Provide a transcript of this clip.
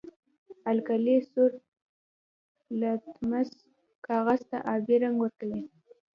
القلي سور لتمس کاغذ ته آبي رنګ ورکوي.